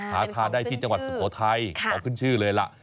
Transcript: หาทานได้ที่จังหวัดสุโขทัยเขาขึ้นชื่อเลยล่ะ